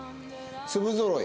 粒ぞろい